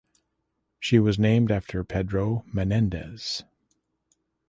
She was named after Pedro Menendez.